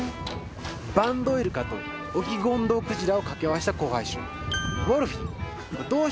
バンドウイルカとオキゴンドウジクラを掛け合わせた交配種ウォルフィン。